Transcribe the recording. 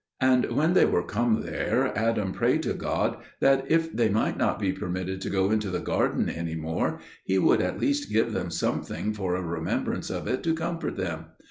And when they were come there, Adam prayed to God that, if they might not be permitted to go into the garden any more, He would at least give them something for a remembrance of it to comfort them.